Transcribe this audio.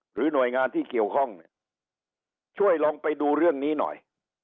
หรือหน่วยงานที่เกี่ยวข้องเนี่ยช่วยลองไปดูเรื่องนี้หน่อย